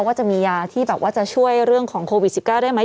ว่าจะมียาที่แบบว่าจะช่วยเรื่องของโควิด๑๙ได้ไหม